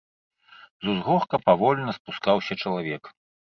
З узгорка павольна спускаўся чалавек.